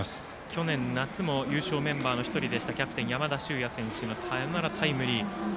去年夏も優勝メンバーの１人だったキャプテン、山田脩也選手のサヨナラタイムリー。